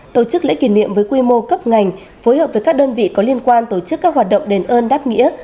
tổ chức lễ kỷ niệm với quy mô cấp ngành phối hợp với các đơn vị có liên quan tổ chức các hoạt động đền ơn đáp nghĩa